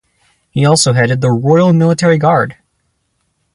He also headed the Royal Military Guard.